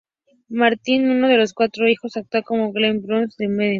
Martin, uno de sus cuatro hijos, actúa como Glen Bishop en "Mad Men".